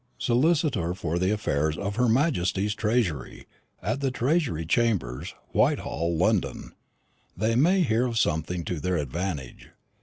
solicitor for the affairs of Her Majesty's Treasury, at the Treasury Chambers, Whitehall, London, they may hear of something to their advantage.